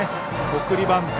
送りバント